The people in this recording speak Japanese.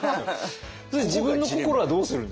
それ自分の心はどうするんです？